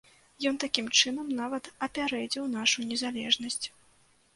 Ён, такім чынам, нават апярэдзіў нашу незалежнасць.